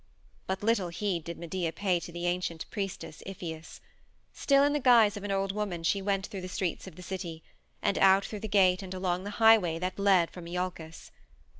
But little heed did Medea pay to the ancient priestess, Iphias. Still in the guise of an old woman she went through the streets of the city, and out through the gate and along the highway that led from Iolcus.